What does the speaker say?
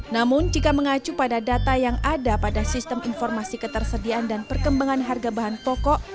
namun jika mengacu pada data yang ada pada sistem informasi ketersediaan dan perkembangan harga bahan pokok